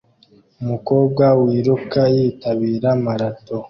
Umukobwa wiruka yitabira marato